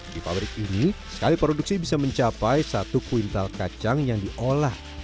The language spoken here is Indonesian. di pabrik ini sekali produksi bisa mencapai satu kuintal kacang yang diolah